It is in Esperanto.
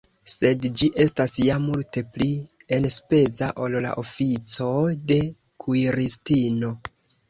Sed ĝi estas ja multe pli enspeza, ol la ofico de kuiristino.